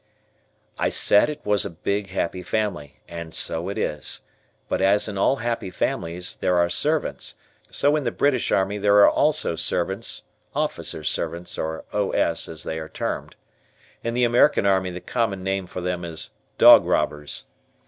I said it was a big happy family, and so it is, but as in all happy families, there are servants, so in the British Army there are also servants, officers' servants, or "O. S." as they are termed. In the American Army the common name for them is "dog robbers."